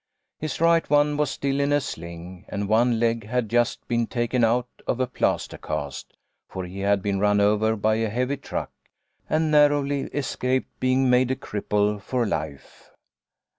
His right one was still in a sling, and one leg had just been taken out of a plaster cast, for he had been run over by a heavy LLOYD MAKES A DISCOVERY. 2OJ truck, and narrowly escaped being made a cripple for life.